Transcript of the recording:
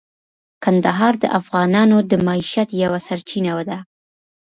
کندهار د افغانانو د معیشت یوه سرچینه ده.